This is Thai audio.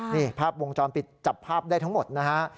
นี่ภาพวงจรปิดจับภาพได้ทั้งหมดนะฮะ